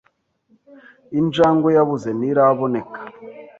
Injangwe yabuze ntiraboneka.